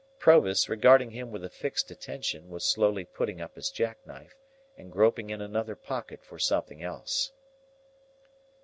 Provis, regarding him with a fixed attention, was slowly putting up his jackknife, and groping in another pocket for something else.